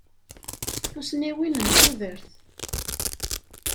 Tussniwin n tudert.